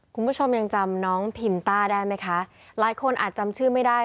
คุณผู้ชมยังจำน้องพินต้าได้ไหมคะหลายคนอาจจำชื่อไม่ได้